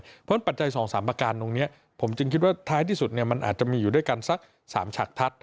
เพราะฉะนั้นปัจจัย๒๓ประการตรงนี้ผมจึงคิดว่าท้ายที่สุดมันอาจจะมีอยู่ด้วยกันสัก๓ฉากทัศน์